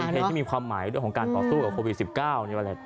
มันเป็นเพลงที่มีความหมายด้วยของการต่อสู้กับโควิด๑๙